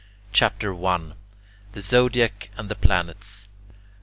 CHAPTER I THE ZODIAC AND THE PLANETS 1.